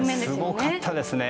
すごかったですね。